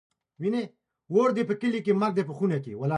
اور دي په کلي مرګ دي په خونه `